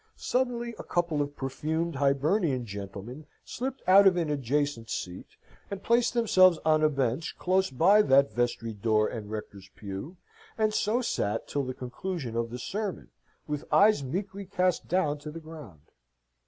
Suddenly a couple of perfumed Hibernian gentlemen slipped out of an adjacent seat, and placed themselves on a bench close by that vestry door and rector's pew, and so sate till the conclusion of the sermon, with eyes meekly cast down to the ground.